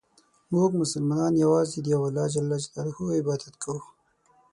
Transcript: مونږ مسلمانان یوازې د یو الله ج عبادت کوو.